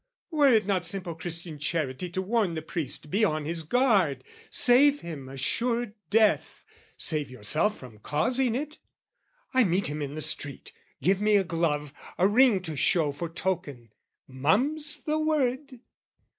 "Were it not simple Christian charity "To warn the priest be on his guard, save him "Assured death, save yourself from causing it? "I meet him in the street. Give me a glove, "A ring to show for token! Mum's the word!"